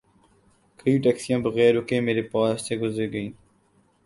کئی ٹیکسیاں بغیر رکے میر پاس سے گزر گئیں